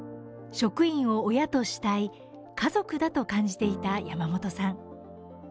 職員を親と慕い、家族と感じていた山本さん。